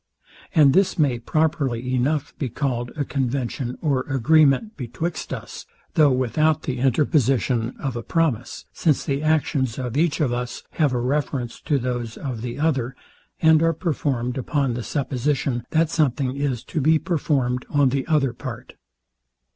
And this may properly enough be called a convention or agreement betwixt us, though without the interposition of a promise; since the actions of each of us have a reference to those of the other, and are performed upon the supposition, that something is to be performed on the other part.